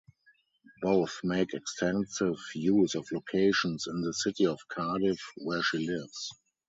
Both make extensive use of locations in the city of Cardiff where she lives.